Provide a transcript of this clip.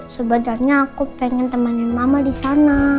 sebenarnya aku pengen temanin mama disana